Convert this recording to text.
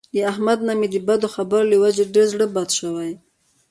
له احمد نه مې د بدو خبر له وجې ډېر زړه بد شوی.